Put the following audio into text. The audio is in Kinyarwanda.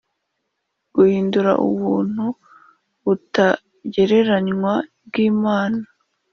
guhindura ubuntu butagereranywa bw’Imana